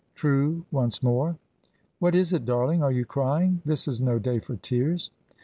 True, once more. "What is it, darling? Are you crying? This is no day for tears."